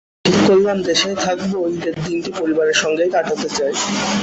পরে ঠিক করলাম দেশেই থাকব, ঈদের দিনটি পরিবারের সঙ্গেই কাটাতে চাই।